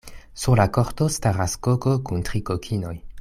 Sur la korto staras koko kun tri kokinoj.